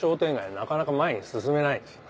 なかなか前に進めないですよね。